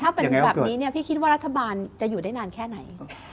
ถ้าเป็นแบบนี้เนี่ยพี่คิดว่ารัฐบาลจะอยู่ได้นานแค่ไหน